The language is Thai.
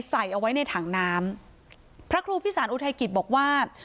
ใส่เอาไว้ในถังน้ำพระครูพิสารอุทัยกิจบอกว่า